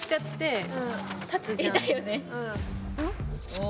お。